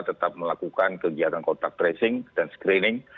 tetap melakukan kegiatan kontak tracing dan screening